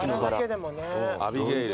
アビゲイル。